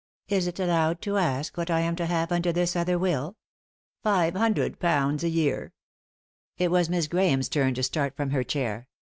Is it allowed to ask what I am to have under this other will ?"" Five hundred pounds a year." It was Miss Grahame's turn to start from her chair.